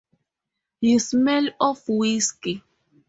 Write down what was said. You smell of whiskey.